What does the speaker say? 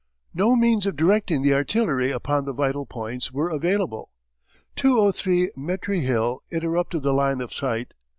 No means of directing the artillery upon the vital points were available; 203 Metre Hill interrupted the line of sight.